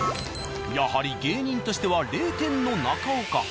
やはり芸人としては０点の中岡。